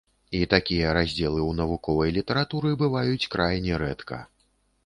І такія раздзелы ў навуковай літаратуры бываюць крайне рэдка.